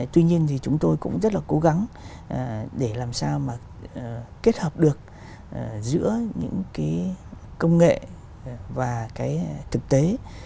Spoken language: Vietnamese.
tuy nhiên thì chúng tôi cũng rất là cố gắng để làm sao mà kết hợp được giữa những cái công nghệ và cái thực tế